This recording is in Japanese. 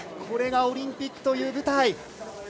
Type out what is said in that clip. これがオリンピックという舞台。